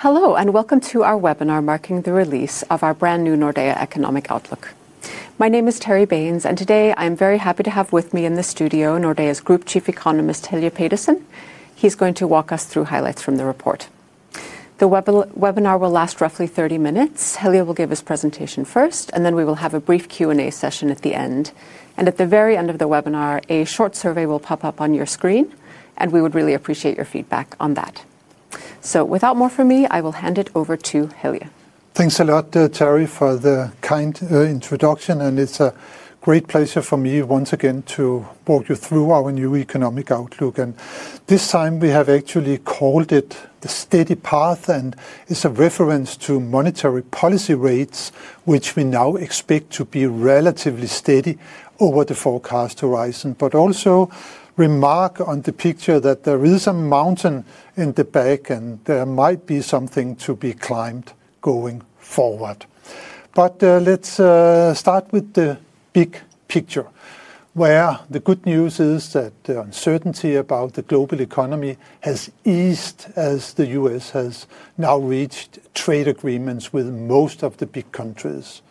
Hello and welcome to our webinar marking the release of our brand new Nordea Economic Outlook. My name is Terri Baines, and today I'm very happy to have with me in the studio Nordea's Group Chief Economist, Helge Pedersen. He's going to walk us through highlights from the report. The webinar will last roughly 30 minutes. Helio will give his presentation first, then we will have a brief Q&A session at the end. At the very end of the webinar, a short survey will pop up on your screen, and we would really appreciate your feedback on that. Without more from me, I will hand it over to Helge. Thanks a lot, Terri, for the kind introduction, and it's a great pleasure for me once again to walk you through our new Nordea Economic Outlook. This time we have actually called it The Steady Path, and it's a reference to monetary policy rates, which we now expect to be relatively steady over the forecast horizon. Also, remark on the picture that there is a mountain in the back, and there might be something to be climbed going forward. Let's start with the big picture, where the good news is that the uncertainty about the global economy has eased as the U.S., has now reached trade agreements with most of the big countries.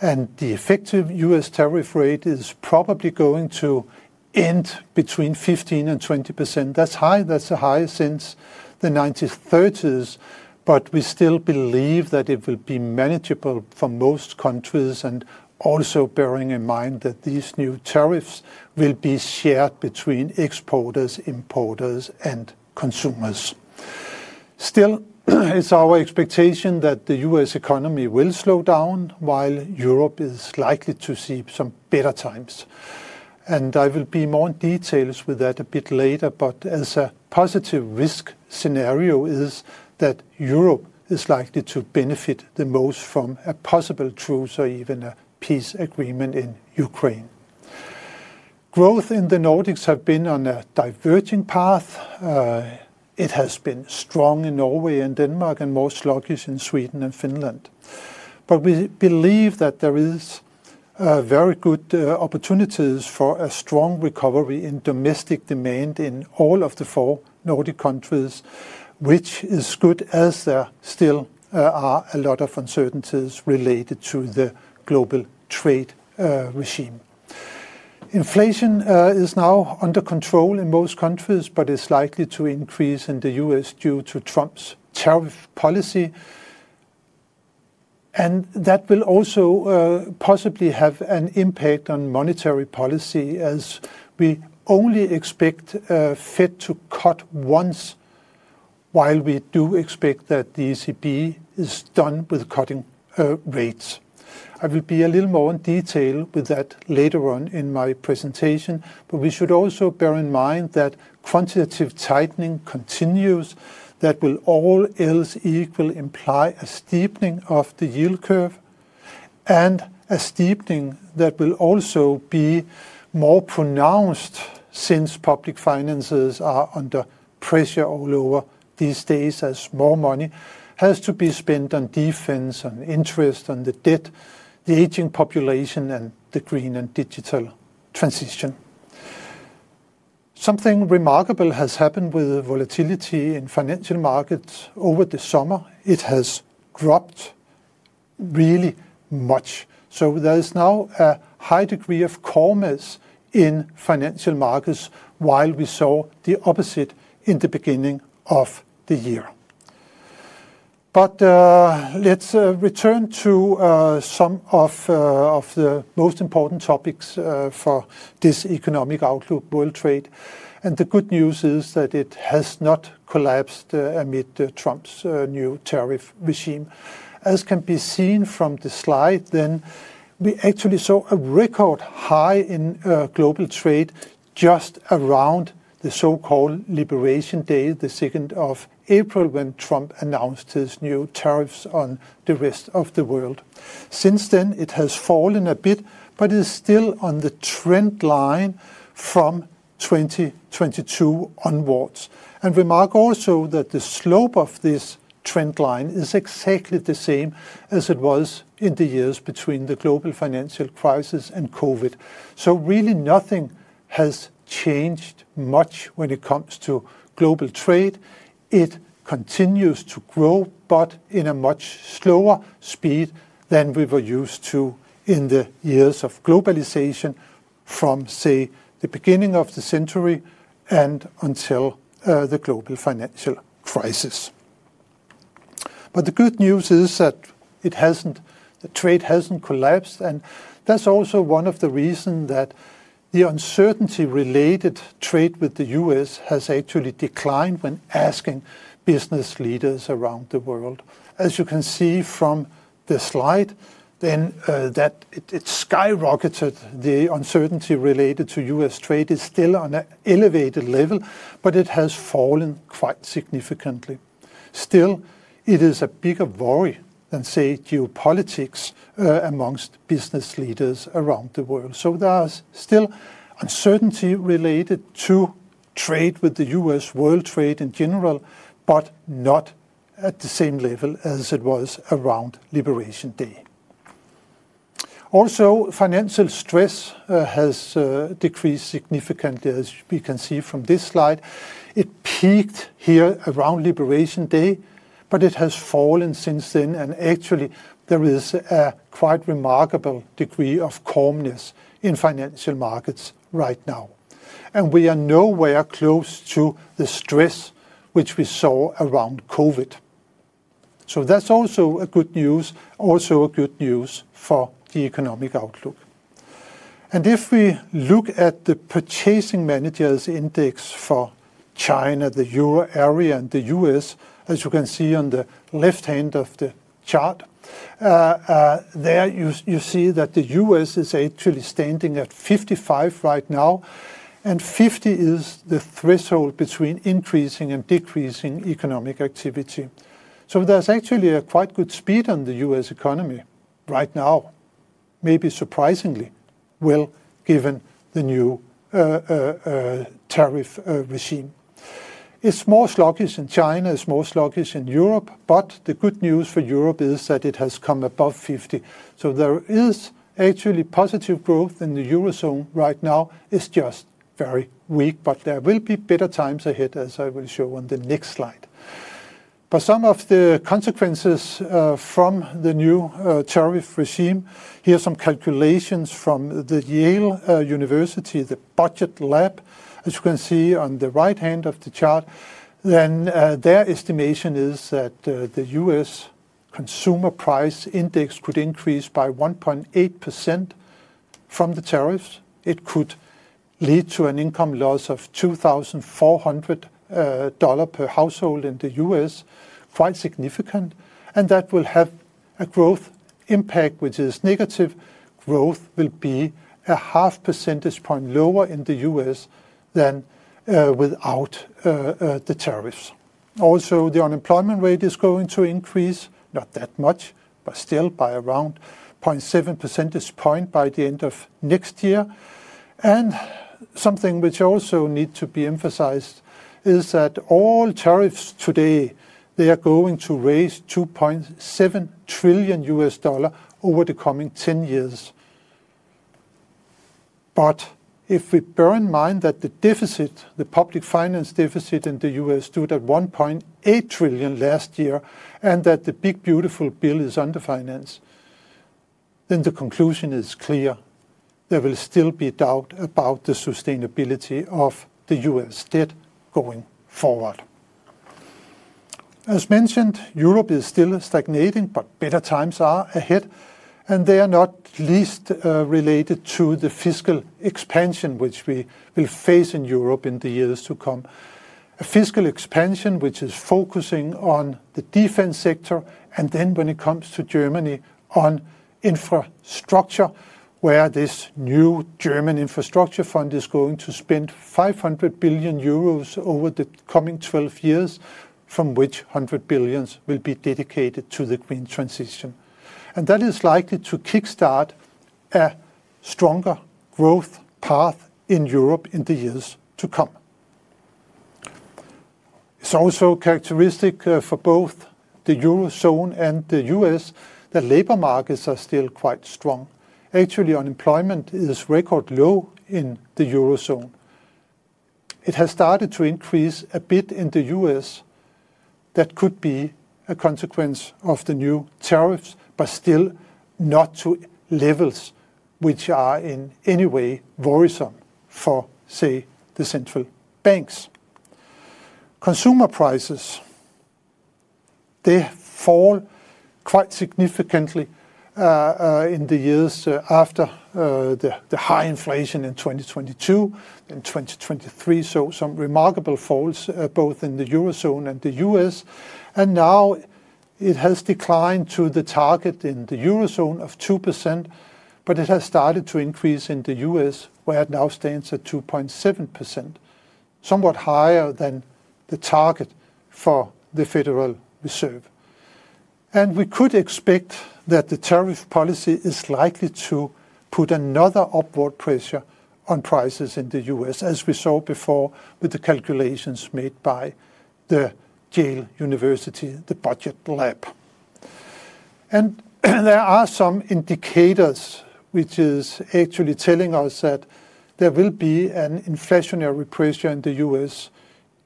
The effective U.S., tariff rate is probably going to end between 15% and 20%. That's high. That's a high since the 1930s, but we still believe that it will be manageable for most countries, also bearing in mind that these new tariffs will be shared between exporters, importers, and consumers. Still, it's our expectation that the U.S., economy will slow down while Europe is likely to see some better times. I will be more in detail with that a bit later, as a positive risk scenario is that Europe is likely to benefit the most from a possible truce or even a peace agreement in Ukraine. Growth in the Nordics has been on a diverging path. It has been strong in Norway and Denmark, and most sluggish in Sweden and Finland. We believe that there are very good opportunities for a strong recovery in domestic demand in all of the four Nordic countries, which is good as there still are a lot of uncertainties related to the global trade regime. Inflation is now under control in most countries, but it's likely to increase in the U.S., due to Trump's tariff policy. That will also possibly have an impact on monetary policy as we only expect the Federal Reserve to cut once, while we do expect that the European Central Bank is done with cutting rates. I will be a little more in detail with that later on in my presentation, but we should also bear in mind that quantitative tightening continues, that will all else equal imply a steepening of the yield curve, and a steepening that will also be more pronounced since public finances are under pressure all over these days as more money has to be spent on defense, on interest, on the debt, the aging population, and the green and digital transition. Something remarkable has happened with volatility in financial markets over the summer. It has dropped really much. There is now a high degree of calmness in financial markets while we saw the opposite in the beginning of the year. Let's return to some of the most important topics for this Economic Outlook: world trade. The good news is that it has not collapsed amid Trump's new tariff regime. As can be seen from the slide, we actually saw a record high in global trade just around the so-called Liberation Day, April 2, when Trump announced his new tariffs on the rest of the world. Since then, it has fallen a bit, but it is still on the trend line from 2022 onwards. Also, remark that the slope of this trend line is exactly the same as it was in the years between the global financial crisis and COVID. Nothing has changed much when it comes to global trade. It continues to grow, but at a much slower speed than we were used to in the years of globalization from the beginning of the century until the global financial crisis. The good news is that trade hasn't collapsed, and that's also one of the reasons that the uncertainty related to trade with the U.S., has actually declined when asking business leaders around the world. As you can see from the slide, it skyrocketed. The uncertainty related to U.S., trade is still at an elevated level, but it has fallen quite significantly. Still, it is a bigger worry than geopolitics amongst business leaders around the world. There is still uncertainty related to trade with the U.S., and world trade in general, but not at the same level as it was around Liberation Day. Also, financial stress has decreased significantly, as we can see from this slide. It peaked around Liberation Day, but it has fallen since then, and actually, there is a quite remarkable degree of calmness in financial markets right now. We are nowhere close to the stress which we saw around COVID. That's also good news, also good news for the Economic Outlook. If we look at the Purchasing Managers Index for China, the euro area, and the U.S., as you can see on the left hand of the chart, you see that the U.S., is actually standing at 55 right now, and 50 is the threshold between increasing and decreasing economic activity. There is actually a quite good speed on the U.S., economy right now, maybe surprisingly well, given the new tariff regime. It's more sluggish in China, it's more sluggish in Europe, but the good news for Europe is that it has come above 50. There is actually positive growth in the eurozone right now. It's just very weak, but there will be better times ahead, as I will show on the next slide. Some of the consequences from the new tariff regime, here are some calculations from Yale University, the Budget Lab, as you can see on the right hand of the chart. Their estimation is that the U.S. Consumer Price Index could increase by 1.8% from the tariffs. It could lead to an income loss of $2,400 per household in the U.S., quite significant. That will have a growth impact, which is negative. Growth will be a half percentage point lower in the U.S., than without the tariffs. Also, the unemployment rate is going to increase, not that much, but still by around 0.7 percentage point by the end of next year. Something which also needs to be emphasized is that all tariffs today are going to raise $2.7 trillion U.S. dollars over the coming 10 years. If we bear in mind that the deficit, the public finance deficit in the U.S., stood at $1.8 trillion last year, and that the big beautiful bill is under finance, then the conclusion is clear. There will still be doubt about the sustainability of the U.S., debt going forward. As mentioned, Europe is still stagnating, but better times are ahead, and they are not least related to the fiscal expansion, which we will face in Europe in the years to come. A fiscal expansion which is focusing on the defense sector, and when it comes to Germany, on infrastructure, where this new German infrastructure fund is going to spend €500 billion over the coming 12 years, from which €100 billion will be dedicated to the green transition. That is likely to kickstart a stronger growth path in Europe in the years to come. It's also characteristic for both the eurozone and the U.S., that labor markets are still quite strong. Actually, unemployment is record low in the eurozone. It has started to increase a bit in the U.S., that could be a consequence of the new tariffs, but still not to levels which are in any way worrisome for, say, the central banks. Consumer prices fall quite significantly in the years after the high inflation in 2022 and 2023, so some remarkable falls both in the eurozone and the U.S. Now it has declined to the target in the eurozone of 2%, but it has started to increase in the U.S., where it now stands at 2.7%, somewhat higher than the target for the Federal Reserve. We could expect that the tariff policy is likely to put another upward pressure on prices in the U.S., as we saw before with the calculations made by Yale University, the Budget Lab. There are some indicators which are actually telling us that there will be an inflationary pressure in the U.S.,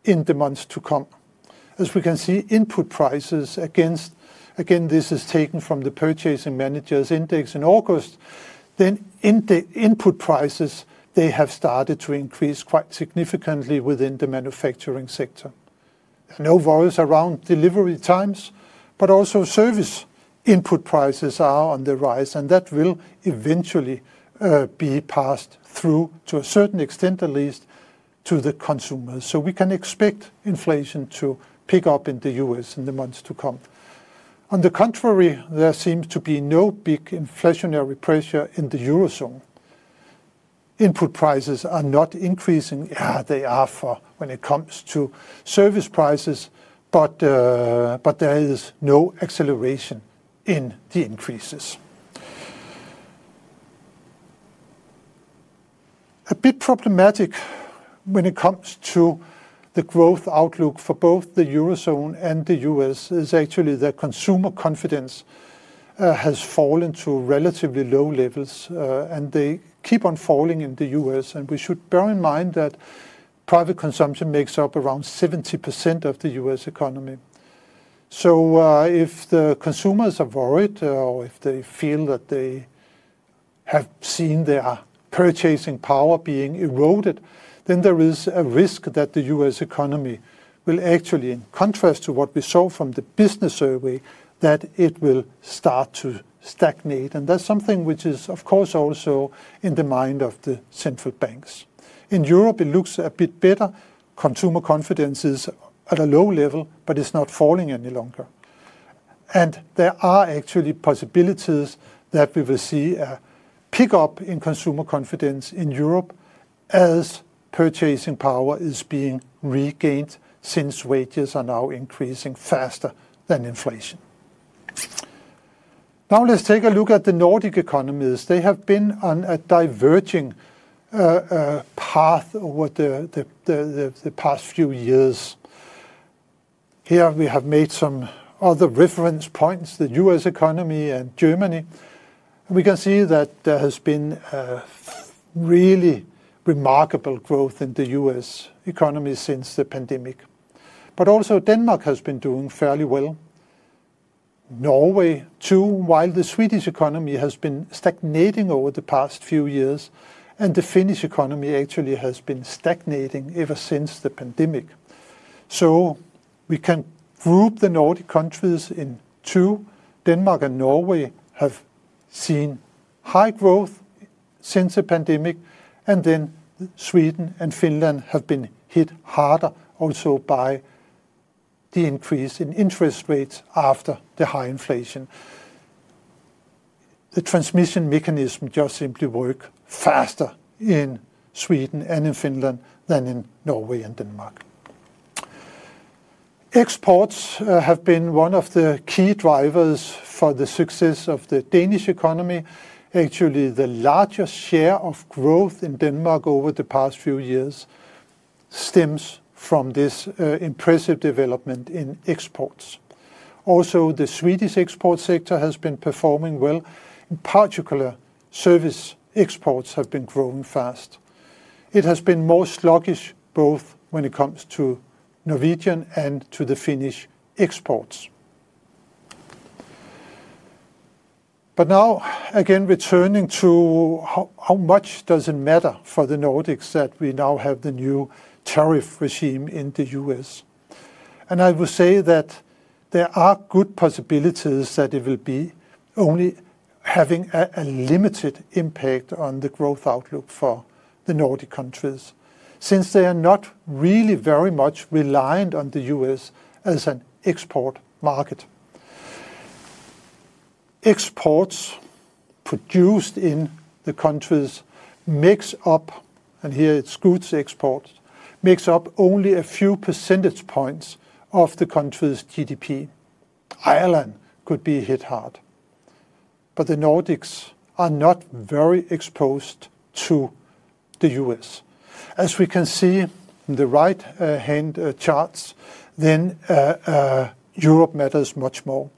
in the months to come. As we can see, input prices, again, this is taken from the Purchasing Managers Index in August, then input prices, they have started to increase quite significantly within the manufacturing sector. There are no worries around delivery times, but also service input prices are on the rise, and that will eventually be passed through, to a certain extent at least, to the consumers. We can expect inflation to pick up in the U.S., in the months to come. On the contrary, there seems to be no big inflationary pressure in the eurozone. Input prices are not increasing. They are for when it comes to service prices, but there is no acceleration in the increases. A bit problematic when it comes to the growth outlook for both the eurozone and the U.S., is actually that consumer confidence has fallen to relatively low levels, and they keep on falling in the U.S. We should bear in mind that private consumption makes up around 70% of the U.S., economy. If the consumers are worried, or if they feel that they have seen their purchasing power being eroded, then there is a risk that the U.S., economy will actually, in contrast to what we saw from the business survey, that it will start to stagnate. That is something which is, of course, also in the mind of the central banks. In Europe, it looks a bit better. Consumer confidence is at a low level, but it's not falling any longer. There are actually possibilities that we will see a pickup in consumer confidence in Europe as purchasing power is being regained since wages are now increasing faster than inflation. Now let's take a look at the Nordic economies. They have been on a diverging path over the past few years. Here we have made some other reference points, the U.S., economy and Germany. We can see that there has been really remarkable growth in the U.S., economy since the pandemic. Also, Denmark has been doing fairly well. Norway too, while the Swedish economy has been stagnating over the past few years, and the Finnish economy actually has been stagnating ever since the pandemic. We can group the Nordic countries in two. Denmark and Norway have seen high growth since the pandemic, and then Sweden and Finland have been hit harder also by the increase in interest rates after the high inflation. The transmission mechanism just simply works faster in Sweden and in Finland than in Norway and Denmark. Exports have been one of the key drivers for the success of the Danish economy. Actually, the largest share of growth in Denmark over the past few years stems from this impressive development in exports. Also, the Swedish export sector has been performing well. In particular, service exports have been growing fast. It has been more sluggish both when it comes to Norwegian and to the Finnish exports. Now, again, returning to how much does it matter for the Nordics that we now have the new tariff regime in the U.S. I would say that there are good possibilities that it will be only having a limited impact on the growth outlook for the Nordic countries, since they are not really very much reliant on the U.S., as an export market. Exports produced in the countries makes up, and here it's goods exports, makes up only a few percentage points of the country's GDP. Ireland could be hit hard. The Nordics are not very exposed to the U.S. As we can see in the right-hand charts, Europe matters much more.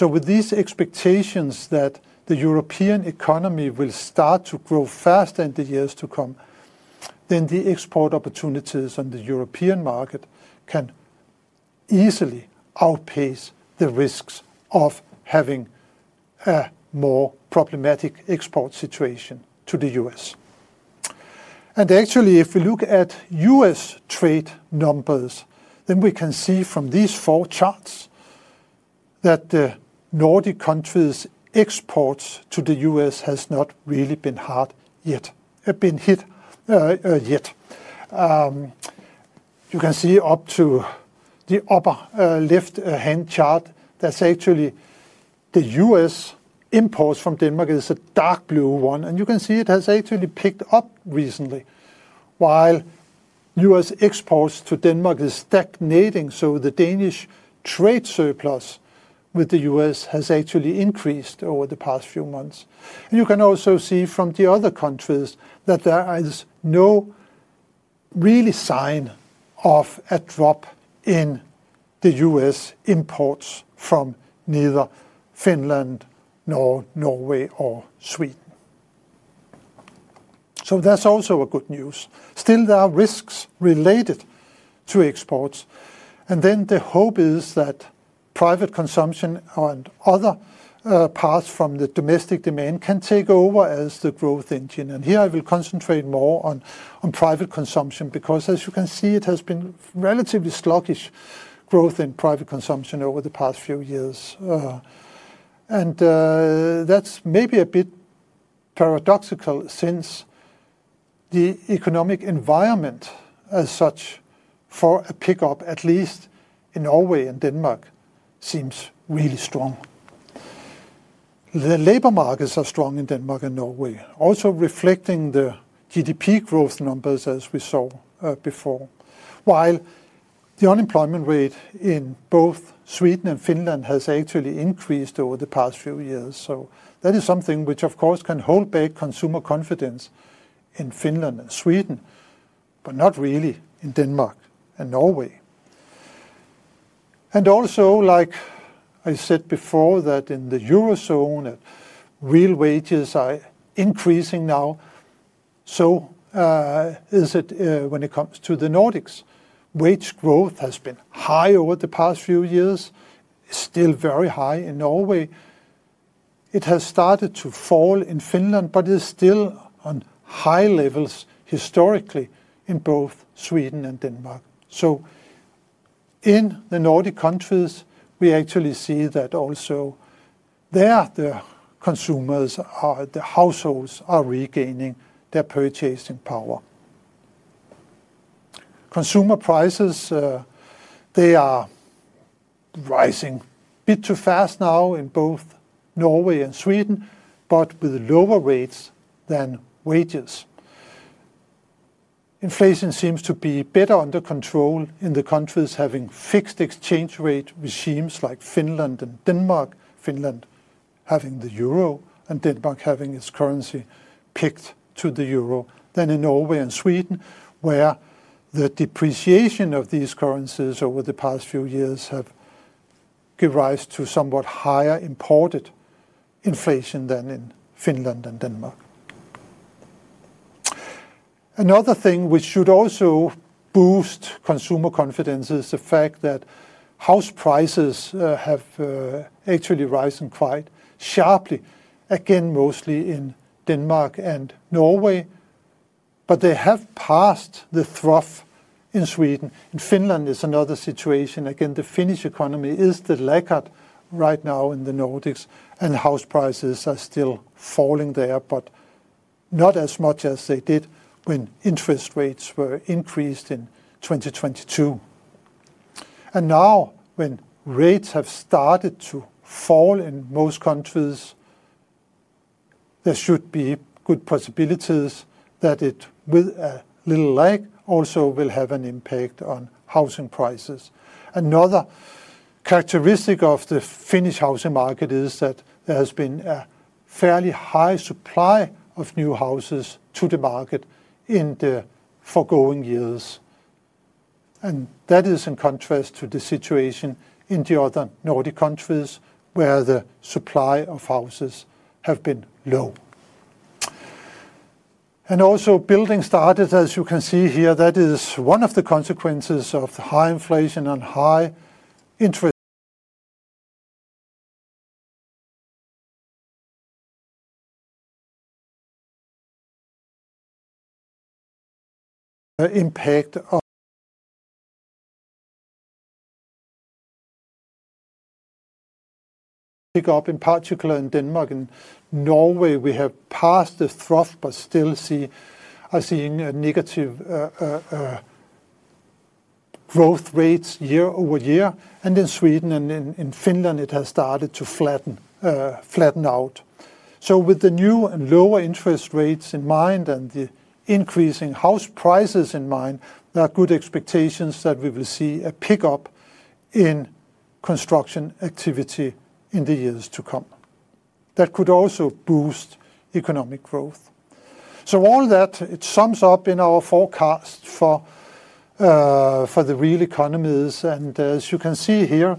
With these expectations that the European economy will start to grow fast in the years to come, the export opportunities on the European market can easily outpace the risks of having a more problematic export situation to the U.S. Actually, if we look at U.S., trade numbers, we can see from these four charts that the Nordic countries' exports to the U.S., have not really been hit yet. You can see up to the upper left-hand chart that's actually the U.S., imports from Denmark. It's a dark blue one, and you can see it has actually picked up recently while U.S., exports to Denmark are stagnating. The Danish trade surplus with the U.S., has actually increased over the past few months. You can also see from the other countries that there is no really sign of a drop in the U.S., imports from neither Finland nor Norway or Sweden. That's also good news. Still, there are risks related to exports. The hope is that private consumption and other parts from the domestic demand can take over as the growth engine. Here I will concentrate more on private consumption because, as you can see, it has been relatively sluggish growth in private consumption over the past few years. That is maybe a bit paradoxical since the economic environment as such for a pickup, at least in Norway and Denmark, seems really strong. The labor markets are strong in Denmark and Norway, also reflecting the GDP growth numbers as we saw before. While the unemployment rate in both Sweden and Finland has actually increased over the past few years, that is something which, of course, can hold back consumer confidence in Finland and Sweden, but not really in Denmark and Norway. Also, like I said before, in the eurozone, real wages are increasing now. When it comes to the Nordics, wage growth has been high over the past few years. It's still very high in Norway. It has started to fall in Finland, but it's still on high levels historically in both Sweden and Denmark. In the Nordic countries, we actually see that also there, the consumers are, the households are regaining their purchasing power. Consumer prices are rising a bit too fast now in both Norway and Sweden, but with lower rates than wages. Inflation seems to be better under control in the countries having fixed exchange rate regimes like Finland and Denmark, Finland having the euro, and Denmark having its currency pegged to the euro. In Norway and Sweden, where the depreciation of these currencies over the past few years has given rise to somewhat higher imported inflation than in Finland and Denmark. Another thing which should also boost consumer confidence is the fact that house prices have actually risen quite sharply, again mostly in Denmark and Norway, but they have passed the trough in Sweden. In Finland, it's another situation. The Finnish economy is the laggard right now in the Nordics, and house prices are still falling there, but not as much as they did when interest rates were increased in 2022. Now when rates have started to fall in most countries, there should be good possibilities that it, with a little lag, also will have an impact on housing prices. Another characteristic of the Finnish housing market is that there has been a fairly high supply of new houses to the market in the foregoing years. That is in contrast to the situation in the other Nordic countries where the supply of houses has been low. Also, building started, as you can see here, that is one of the consequences of the high inflation and high interest rate impact. There is a pickup in particular in Denmark. In Norway, we have passed the trough but still are seeing negative growth rates year-over-year. In Sweden and in Finland, it has started to flatten out. With the new and lower interest rates in mind and the increasing house prices in mind, there are good expectations that we will see a pickup in construction activity in the years to come. That could also boost economic growth. All that sums up in our forecast for the real economies. As you can see here,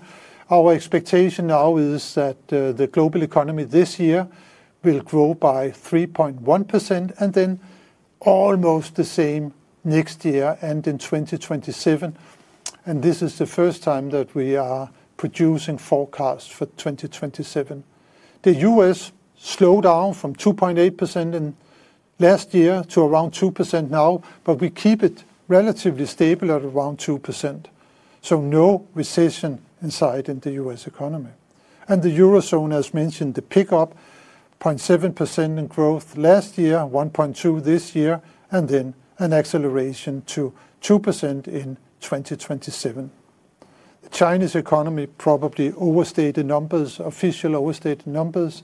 our expectation now is that the global economy this year will grow by 3.1% and then almost the same next year and in 2027. This is the first time that we are producing forecasts for 2027. The U.S., slowed down from 2.8% last year to around 2% now, but we keep it relatively stable at around 2%. There is no recession in sight in the U.S., economy. In the eurozone, as mentioned, there is a pickup, 0.7% in growth last year, 1.2% this year, and then an acceleration to 2% in 2027. The Chinese economy probably overstated the numbers, official overstated the numbers,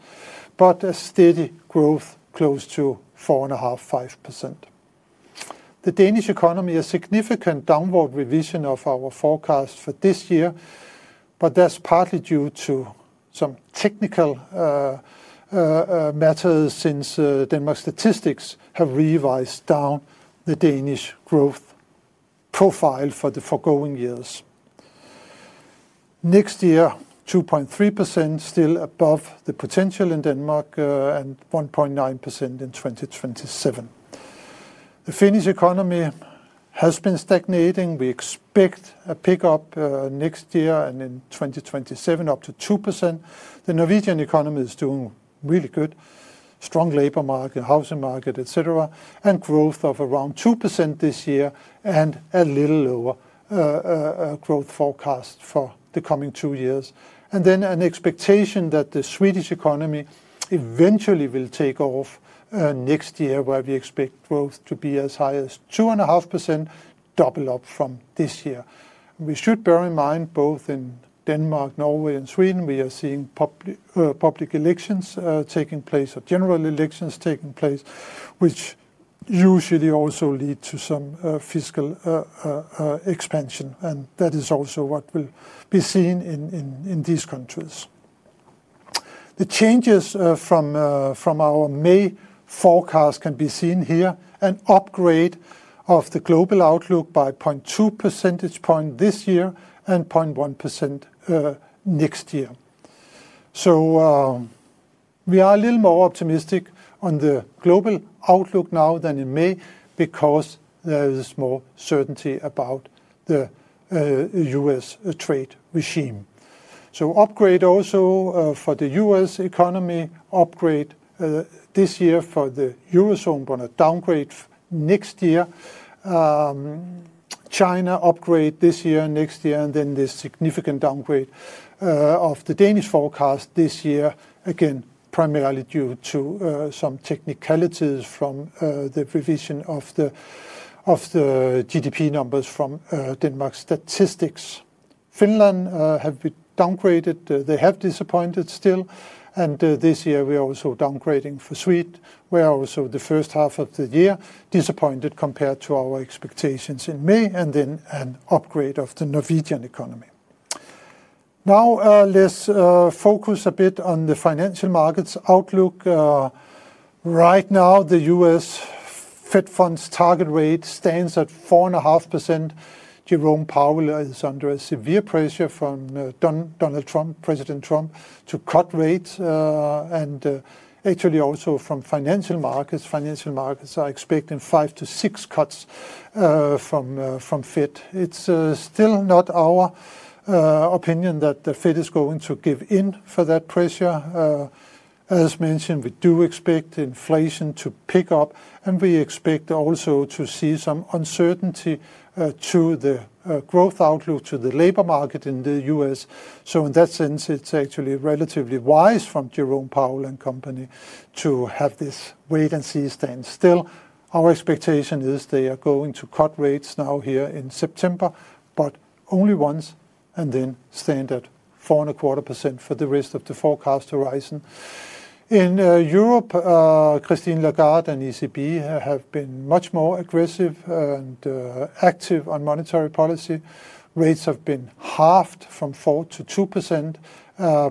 but a steady growth close to 4.5%. The Danish economy has a significant downward revision of our forecast for this year, but that's partly due to some technical matters since Denmark statistics have revised down the Danish growth profile for the foregoing years. Next year, 2.3% is still above the potential in Denmark and 1.9% in 2027. The Finnish economy has been stagnating. We expect a pickup next year and in 2027 up to 2%. The Norwegian economy is doing really good. Strong labor market, housing market, etc, and growth of around 2% this year and a little lower growth forecast for the coming two years. There is an expectation that the Swedish economy eventually will take off next year, where we expect growth to be as high as 2.5%, double up from this year. We should bear in mind both in Denmark, Norway, and Sweden, we are seeing public elections taking place, or general elections taking place, which usually also lead to some fiscal expansion. That is also what will be seen in these countries. The changes from our May forecast can be seen here, an upgrade of the global outlook by 0.2 percentage point this year and 0.1% next year. We are a little more optimistic on the global outlook now than in May because there is more certainty about the U.S., trade regime. Upgrade also for the U.S., economy, upgrade this year for the eurozone, but a downgrade next year. China upgrade this year, next year, and then this significant downgrade of the Danish forecast this year, again primarily due to some technicalities from the revision of the GDP numbers from Denmark statistics. Finland have been downgraded. They have disappointed still. This year we are also downgrading for Sweden. The first half of the year disappointed compared to our expectations in May and then an upgrade of the Norwegian economy. Now let's focus a bit on the financial markets outlook. Right now, the U.S. Fed funds target rate stands at 4.5%. Jerome Powell is under severe pressure from Donald Trump, President Trump, to cut rates. Actually also from financial markets, financial markets are expecting five to six cuts from Fed. It's still not our opinion that the Fed is going to give in for that pressure. As mentioned, we do expect inflation to pick up, and we expect also to see some uncertainty to the growth outlook to the labor market in the U.S., In that sense, it's actually relatively wise from Jerome Powell and company to have this wait and see stand still. Our expectation is they are going to cut rates now here in September, but only once and then stand at 4.25% for the rest of the forecast horizon. In Europe, Christine Lagarde and ECB have been much more aggressive and active on monetary policy. Rates have been halved from 4%-2%,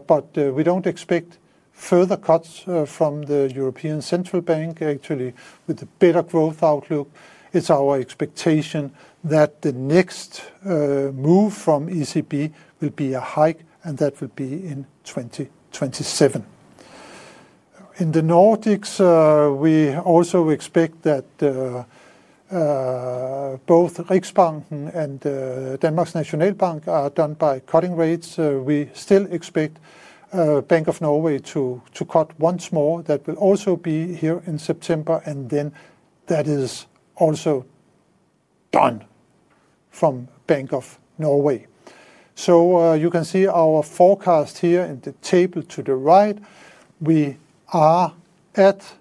but we don't expect further cuts from the European Central Bank, actually with a better growth outlook. It's our expectation that the next move from ECB will be a hike, and that will be in 2027. In the Nordics, we also expect that both Riksbanken and Denmark's Nationalbank are done by cutting rates. We still expect Bank of Norway to cut once more. That will also be here in September, and then that is also done from Bank of Norway. You can see our forecast here in the table to the right. We are at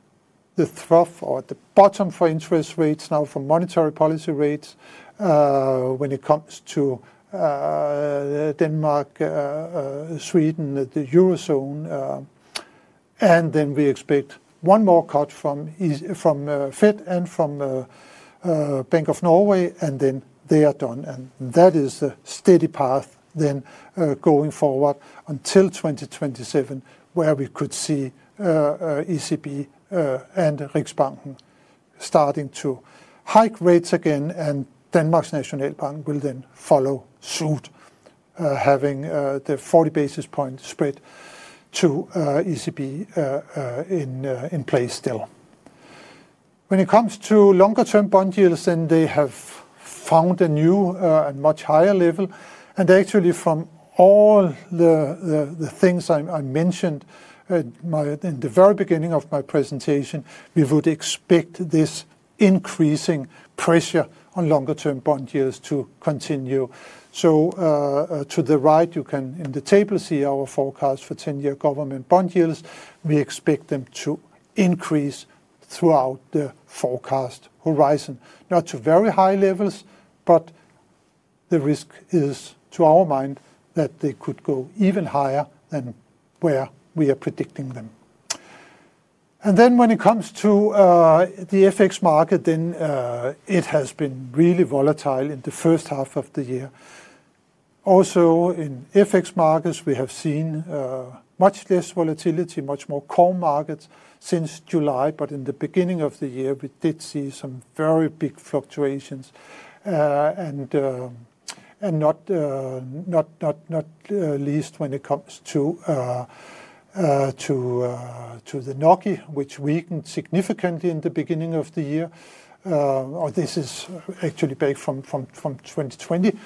the trough or at the bottom for interest rates now from monetary policy rates when it comes to Denmark, Sweden, the eurozone. We expect one more cut from Fed and from Bank of Norway, and then they are done. That is a steady path going forward until 2027, where we could see the ECB and Riksbanken starting to hike rates again, and Denmark's Nationalbank will then follow suit, having the 40 basis point spread to the ECB in place still. When it comes to longer-term bond yields, they have found a new and much higher level. Actually, from all the things I mentioned in the very beginning of my presentation, we would expect this increasing pressure on longer-term bond yields to continue. To the right, you can in the table see our forecast for 10-year government bond yields. We expect them to increase throughout the forecast horizon, not to very high levels, but the risk is to our mind that they could go even higher than where we are predicting them. When it comes to the FX market, it has been really volatile in the first half of the year. Also, in FX markets, we have seen much less volatility, much more core markets since July. In the beginning of the year, we did see some very big fluctuations, not least when it comes to the NOK, which weakened significantly in the beginning of the year. This is actually back from 2020.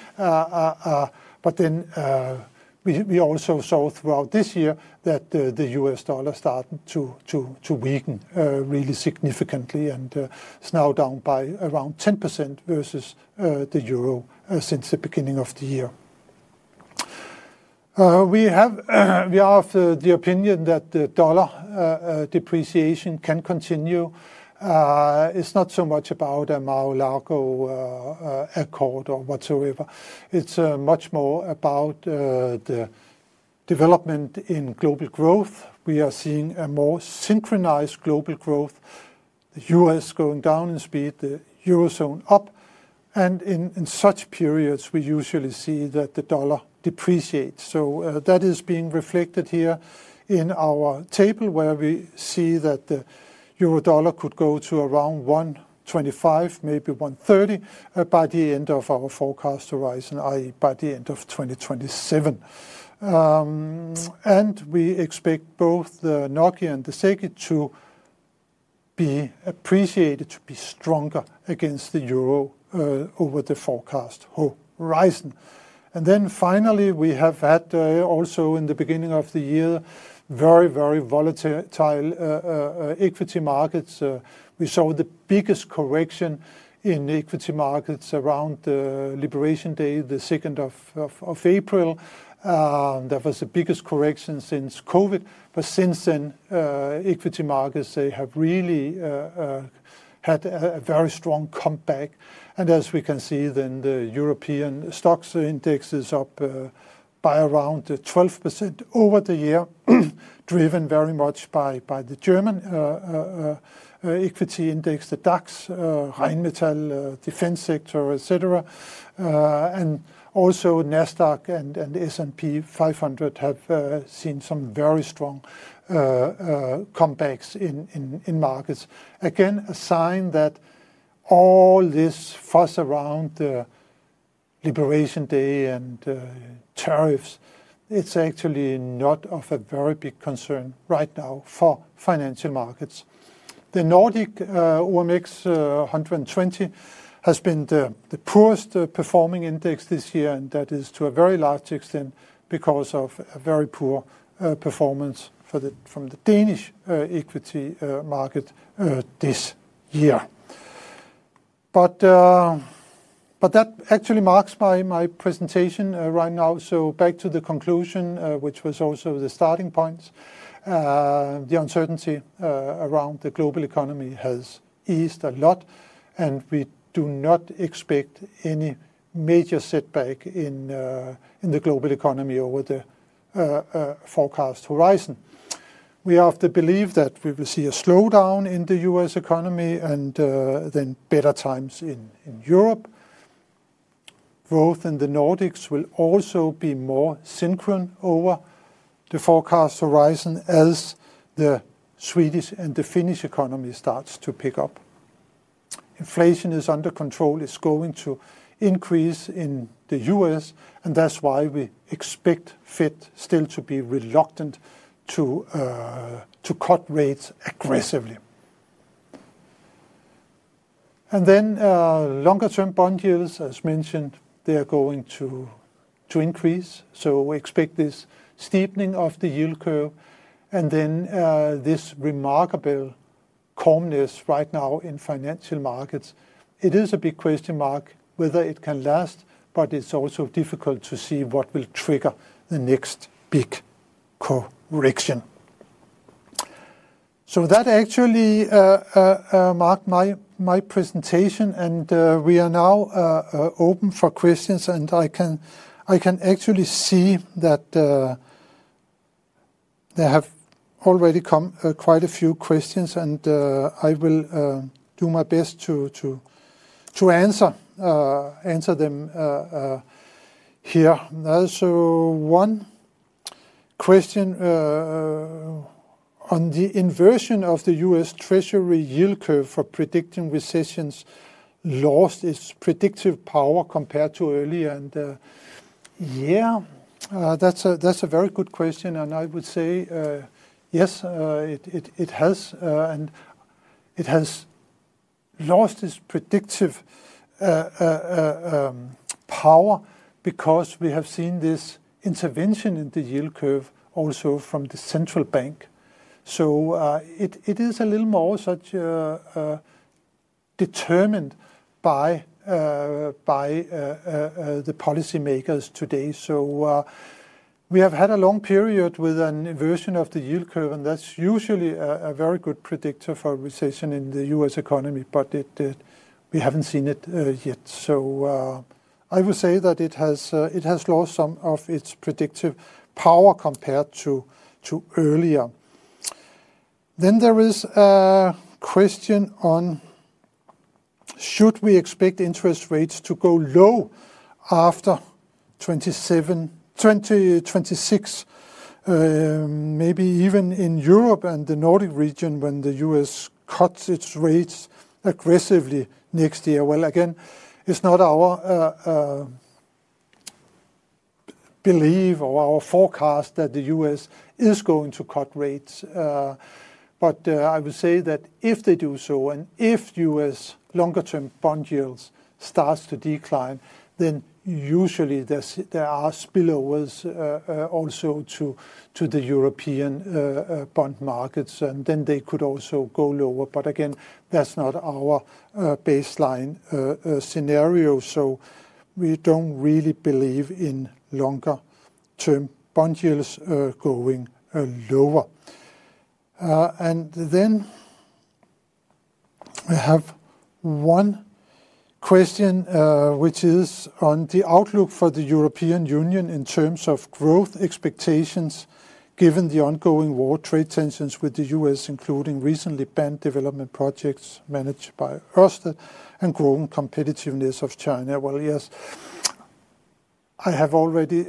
We also saw throughout this year that the U.S. dollar started to weaken really significantly and is now down by around 10% versus the euro since the beginning of the year. We are of the opinion that the dollar depreciation can continue. It's not so much about a Mar-a-Lago accord or whatsoever. It's much more about the development in global growth. We are seeing a more synchronized global growth, the U.S., going down in speed, the eurozone up. In such periods, we usually see that the dollar depreciates. That is being reflected here in our table, where we see that the euro/dollar could go to around 1.25, maybe 1.30 by the end of our forecast horizon, i.e. by the end of 2027. We expect both the NOK and the SEK to be appreciated, to be stronger against the euro over the forecast horizon. Finally, we have had also in the beginning of the year very, very volatile equity markets. We saw the biggest correction in equity markets around Liberation Day, the 2nd of April. That was the biggest correction since COVID. Since then, equity markets have really had a very strong comeback. As we can see, the European stocks index is up by around 12% over the year, driven very much by the German equity index, the DAX, Rheinmetall, defense sector, et cetera. NASDAQ and S&P 500 have seen some very strong comebacks in markets. Again, a sign that all this fuss around the Liberation Day and trade tariffs is actually not of a very big concern right now for financial markets. The Nordic OMX 120 has been the poorest performing index this year, and that is to a very large extent because of a very poor performance from the Danish equity market this year. That actually marks my presentation right now. Back to the conclusion, which was also the starting point. The uncertainty around the global economy has eased a lot, and we do not expect any major setback in the global economy over the forecast horizon. We have to believe that we will see a slowdown in the U.S., economy and then better times in Europe. Growth in the Nordics will also be more synchronous over the forecast horizon as the Swedish and the Finnish economy start to pick up. Inflation is under control. It is going to increase in the U.S., and that's why we expect the Federal Reserve still to be reluctant to cut rates aggressively. Longer-term bond yields, as mentioned, are going to increase. We expect this steepening of the yield curve. This remarkable calmness right now in financial markets is a big question mark whether it can last, but it's also difficult to see what will trigger the next big correction. That actually marked my presentation, and we are now open for questions. I can actually see that there have already come quite a few questions, and I will do my best to answer them here. One question on the inversion of the U.S. One question on the inversion of the U.S. Treasury yield curve for predicting recessions lost its predictive power compared to earlier. That's a very good question. I would say yes, it has, and it has lost its predictive power because we have seen this intervention in the yield curve also from the central bank. It is a little more determined by the policymakers today. We have had a long period with an inversion of the yield curve, and that's usually a very good predictor for a recession in the U.S., economy, but we haven't seen it yet. I would say that it has lost some of its predictive power compared to earlier. There is a question on should we expect interest rates to go low after 2026, maybe even in Europe and the Nordic region when the U.S., cuts its rates aggressively next year. It is not our belief or our forecast that the U.S., is going to cut rates. I would say that if they do so, and if U.S., longer-term bond yields start to decline, usually there are spillovers also to the European bond markets, and they could also go lower. Again, that's not our baseline scenario. We don't really believe in longer-term bond yields going lower. We have one question, which is on the outlook for the European Union in terms of growth expectations given the ongoing war, trade tensions with the U.S., including recently banned development projects managed by ERSTER, and growing competitiveness of China. Yes, I have already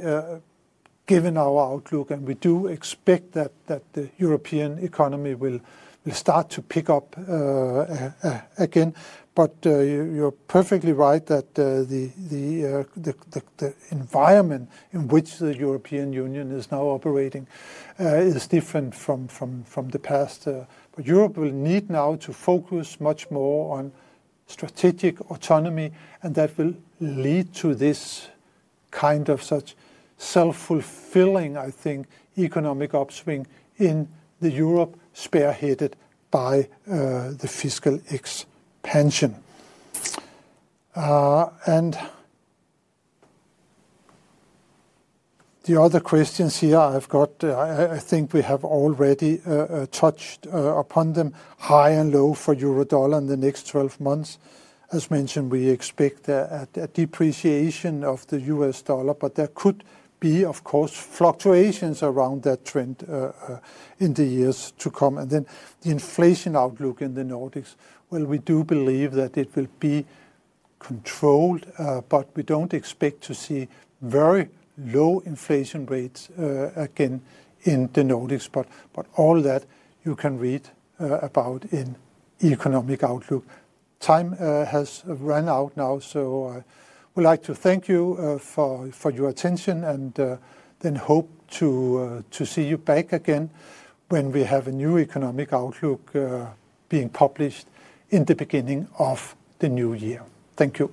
given our outlook, and we do expect that the European economy will start to pick up again. You're perfectly right that the environment in which the European Union is now operating is different from the past. Europe will need now to focus much more on strategic autonomy, and that will lead to this kind of self-fulfilling, I think, economic upswing in Europe, spearheaded by the fiscal expansion. The other questions here, I think we have already touched upon them, high and low for euro/dollar in the next 12 months. As mentioned, we expect a depreciation of the U.S. dollar, but there could be, of course, fluctuations around that trend in the years to come. The inflation outlook in the Nordics, we do believe that it will be controlled, but we don't expect to see very low inflation rates again in the Nordics. All that you can read about in the Nordea Economic Outlook. Time has run out now, so I would like to thank you for your attention and hope to see you back again when we have a new economic outlook being published in the beginning of the new year. Thank you.